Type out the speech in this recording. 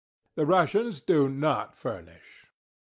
The Russians do not furnish.